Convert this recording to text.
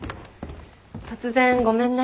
突然ごめんね。